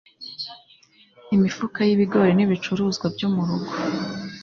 Imifuka yibigori nibicuruzwa byo mu rugo